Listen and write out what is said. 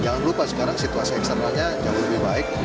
jangan lupa sekarang situasi eksternalnya jauh lebih baik